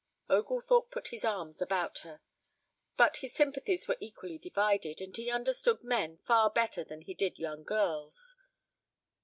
Oglethorpe put his arms about her, but his sympathies were equally divided, and he understood men far better than he did young girls.